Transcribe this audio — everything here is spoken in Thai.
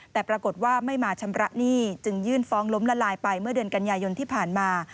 แต่ปรากฏว่าไม่มาชำระหนี้จึงยื่นฟ้องล้มละลายไปเมื่อเดือนกันยายนที่ผ่านมา